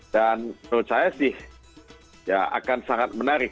dan menurut saya sih ya akan sangat menarik